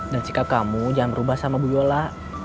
dan sikap kamu jangan berubah sama bu guliola